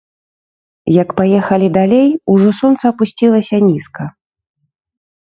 Як паехалі далей, ужо сонца апусцілася нізка.